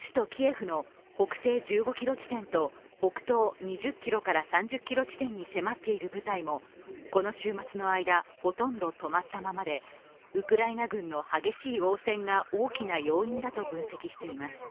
首都キエフの北西１５ｋｍ地点と北東２０ｋｍから３０ｋｍ地点に迫っている部隊もこの週末の間、ほとんど止まったままで、ウクライナ軍の激しい応戦が大きな要因だと分析しています。